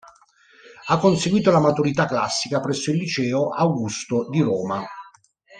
Ha conseguito la maturità classica presso il liceo "Augusto" di Roma.